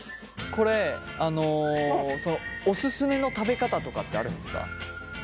これオススメの食べ方とかってあるんですか？